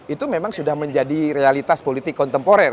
itu memang sudah menjadi realitas politik kontemporer